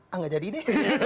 ah nggak jadi deh